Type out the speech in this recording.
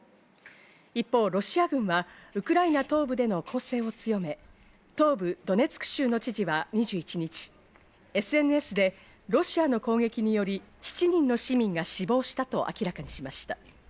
一方、ロシア軍はウクライナ東部での攻勢を強め、東部ドネツク州の知事は２１日、ＳＮＳでロシアの攻撃により７人の市民が死亡したと明らかにしました。